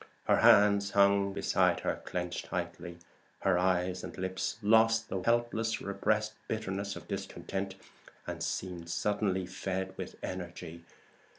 Her hands hung beside her clenched tightly, her eyes and lips lost the helpless repressed bitterness of discontent, and seemed suddenly fed with energy.